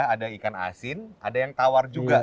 ada ikan asin ada yang tawar juga